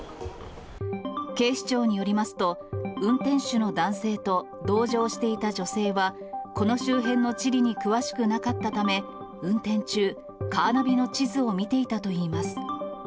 警視庁によりますと、運転手の男性と同乗していた女性は、この周辺の地理に詳しくなかったため、運転中、カーナビの地図を見ていたといいます。